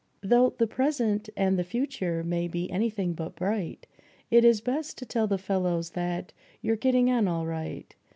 Though the present and the future may be anything but bright. It is best to tell the fellows that you're getting on all right.